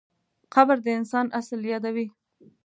قبر د انسان اصل یادوي.